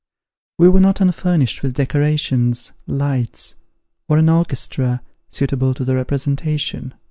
We were not unfurnished with decorations, lights, or an orchestra, suitable to the representation.